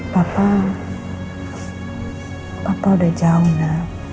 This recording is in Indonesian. papa papa udah jauh ma